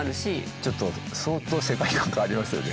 ちょっと、相当世界観、変わりますよね。